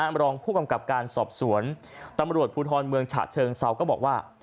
รองผู้กำกับการสอบสวนตำรวจภูทรเมืองฉะเชิงเซาก็บอกว่า